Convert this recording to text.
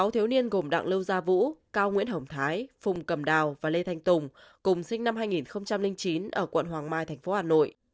sáu thiếu niên gồm đặng lâu gia vũ cao nguyễn hồng thái phùng cầm đào và lê thanh tùng cùng sinh năm hai nghìn chín ở quận hoàng mai tp hà nội